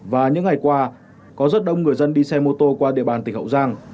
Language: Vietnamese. và những ngày qua có rất đông người dân đi xe mô tô qua địa bàn tỉnh hậu giang